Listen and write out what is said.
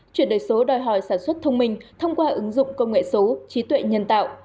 chuyển đổi số đòi hỏi sản xuất thông minh thông qua ứng dụng công nghệ số trí tuệ nhân tạo